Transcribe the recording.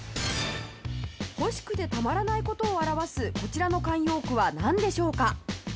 「欲しくてたまらない事」を表すこちらの慣用句はなんでしょうか？